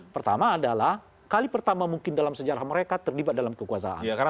pertama adalah kali pertama mungkin dalam sejarah mereka terlibat dalam kekuasaan